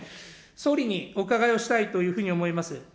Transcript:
総理にお伺いをしたいというふうに思います。